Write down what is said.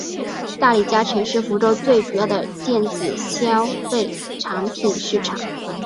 大利嘉城是福州最主要的电子消费产品市场。